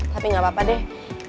tapi gak apa apa deh